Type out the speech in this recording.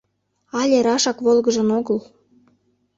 Але рашак волгыжын огыл.